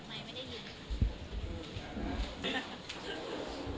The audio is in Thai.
สวัสดีครับ